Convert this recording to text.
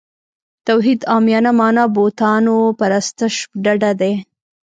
توحید عامیانه معنا بوتانو پرستش ډډه دی.